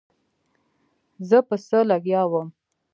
زه په څه لګيا وم.